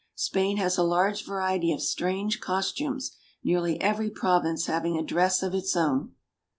Spain has a large variety of strange costumes, nearly every province having a dress of its own.